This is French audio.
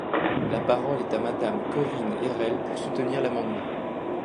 La parole est à Madame Corinne Erhel, pour soutenir l’amendement.